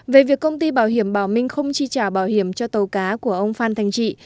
về việc công ty bảo hiểm bảo minh không chi trả bảo hiểm cho tàu cá của ông phan thành trị